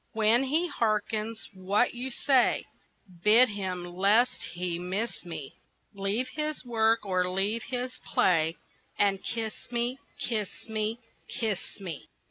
When he harkens what you say, Bid him, lest he miss me, Leave his work or leave his play, And kiss me, kiss me, kiss me!